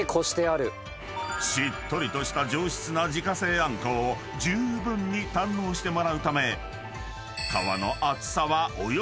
［しっとりとした上質な自家製あんこをじゅうぶんに堪能してもらうため］